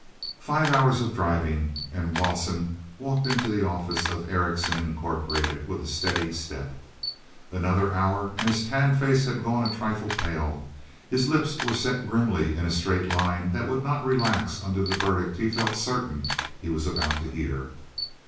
ive hours of driving, and Rawson walked into the office of Erickson, Incorporated, with a steady step. Another hour, and his tanned face had gone a trifle pale; his lips were set grimly in a straight line that would not relax under the verdict he felt certain he was about to hear.